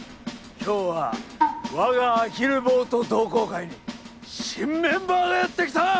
今日は我がアヒルボート同好会に新メンバーがやって来た！